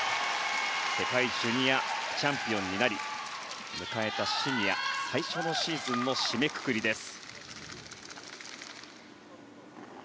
世界ジュニアチャンピオンになり迎えたシニア最初のシーズンの締めくくりです。